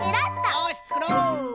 よしつくろう！